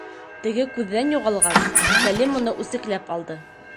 Теге күҙҙән юғалғас, Сәлим уны үсекләп алды.